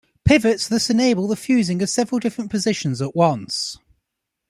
Pivots thus enable the fusing of several different positions at once.